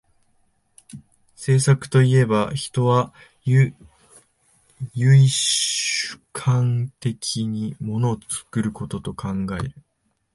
製作といえば、人は唯主観的に物を作ることと考える。